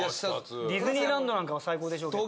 ディズニーランドなんかは最高でしょうけど。